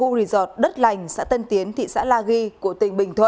một nhóm du lịch ở khu resort đất lành xã tân tiến thị xã la ghi của tỉnh bình thuận